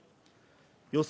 予想